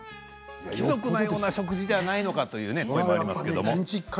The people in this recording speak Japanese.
貴族のような食事ではないのかということなんですけれど。